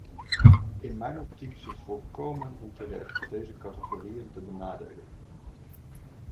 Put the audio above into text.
In mijn optiek is het volkomen onterecht deze categorieën te benadelen.